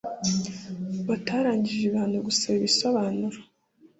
batarangije ibihano gusaba ibisobanuro